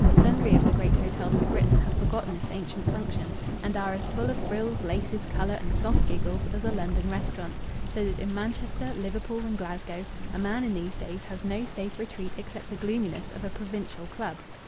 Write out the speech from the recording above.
Sundry of the great hotels of Britain have forgotten this ancient function, and are as full of frills, laces, colour, and soft giggles as a London restaurant, so that in Manchester, Liverpool, and Glasgow a man in these days has no safe retreat except the gloominess of a provincial club.